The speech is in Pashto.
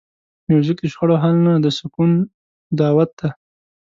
موزیک د شخړو حل نه، د سکون دعوت دی.